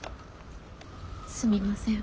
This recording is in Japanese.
すみません。